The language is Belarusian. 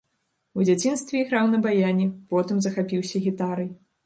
У дзяцінстве іграў на баяне, потым захапіўся гітарай.